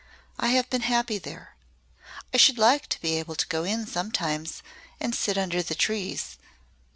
I have been happy there. I should like to be able to go in sometimes and sit under the trees.